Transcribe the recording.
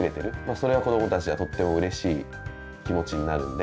それは子どもたちはとってもうれしい気持ちになるんで。